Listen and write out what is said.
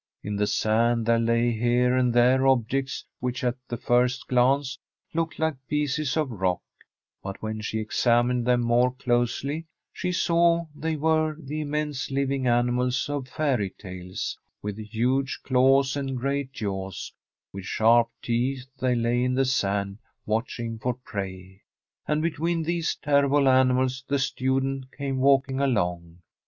In the sand there lay, here and there, objects which at the first glance looked like pieces of rock, but when she ex amined them more closely, she saw they were the immense living animals of fairy tales, with huge claws and great jaws, with sharp teeth; they lay in the sand, watching for prey. And between these terrible animals the student came walking along.